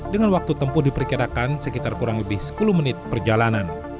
dengan waktu tempuh diperkirakan sekitar kurang lebih sepuluh menit perjalanan